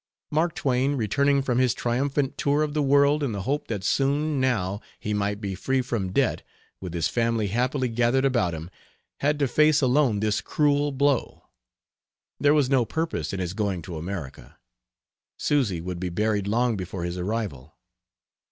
Mark Twain, returning from his triumphant tour of the world in the hope that soon, now, he might be free from debt, with his family happily gathered about him, had to face alone this cruel blow. There was no purpose in his going to America; Susy would be buried long before his arrival.